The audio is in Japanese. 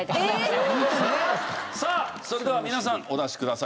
さあそれでは皆さんお出しください